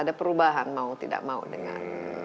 ada perubahan mau tidak mau dengan